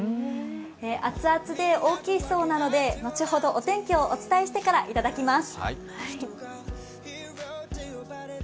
熱々で大きいそうなので、後ほどお天気をお伝えしてから頂きます。